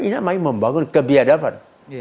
ini namanya membangun kebiadaban